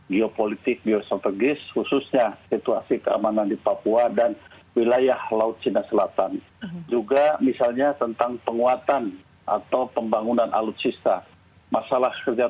jenderal andika perkasa